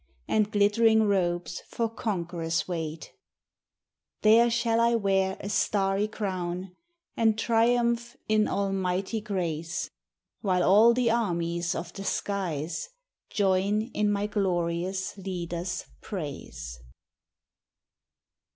And glittering robes for conquerors watt. t There shall I wear a ttarry crown. And triumph in almighty grace. While all the armies of the skies > Jom lu my glorioos leader's praise.